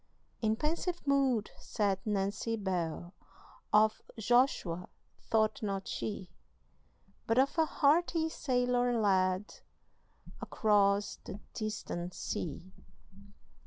In pensive mood sat Nancy Bell; Of Joshua thought not she, But of a hearty sailor lad Across the distant sea.